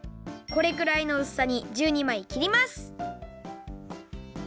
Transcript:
これくらいのうすさに１２まいきります。